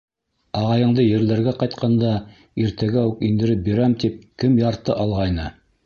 Атайыңды ерләргә ҡайтҡанда, иртәгә үк индереп бирәм тип, кем ярты алғайны?